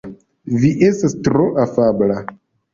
Vi estas tro afabla.